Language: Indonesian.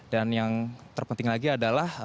dan yang terpenting lagi adalah